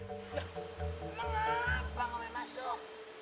mengapa mau masuk